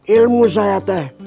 ilmu saya teh